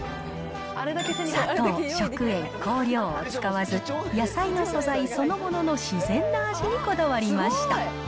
砂糖、食塩、香料を使わず、野菜の素材そのものの自然な味にこだわりました。